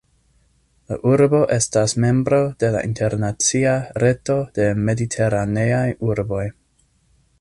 La urbo estas membro de la internacia "reto de mediteraneaj urboj".